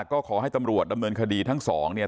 ก็ขอให้ตำรวจดำเนินคดีทั้งสองเนี่ย